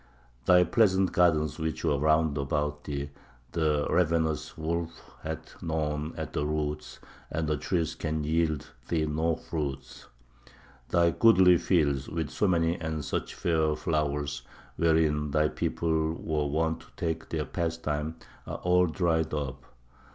"Thy pleasant gardens which were round about thee; ... the ravenous wolf hath gnawn at the roots, and the trees can yield thee no fruit. "Thy goodly fields, with so many and such fair flowers, wherein thy people were wont to take their pastime, are all dried up.